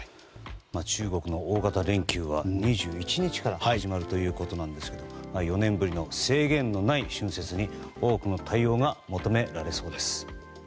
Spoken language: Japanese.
中国の大型連休は２１日から始まるということですけれども４年ぶりの制限のない春節に多くの対応が求められそうです。